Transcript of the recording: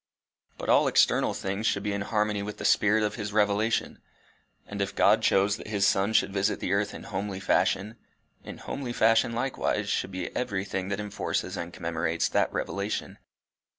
But all external things should be in harmony with the spirit of his revelation. And if God chose that his Son should visit the earth in homely fashion, in homely fashion likewise should be everything that enforces and commemorates that revelation.